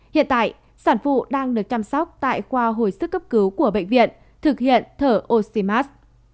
hiện tại sản phụ đang được chăm sóc tại khoa hồi sức cấp cứu của bệnh viện thực hiện thở oxymars